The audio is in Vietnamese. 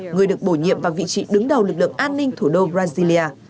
người được bổ nhiệm vào vị trí đứng đầu lực lượng an ninh thủ đô brazil